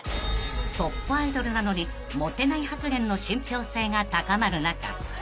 ［トップアイドルなのにモテない発言の信ぴょう性が高まる中